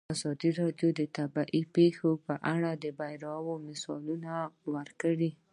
ازادي راډیو د طبیعي پېښې په اړه د بریاوو مثالونه ورکړي.